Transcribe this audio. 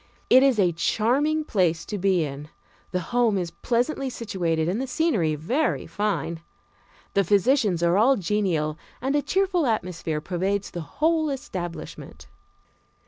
It is a charming place to be in the home is pleasantly situated and the scenery very fine. The physicians are all genial, and a cheerful atmosphere pervades the whole establishment.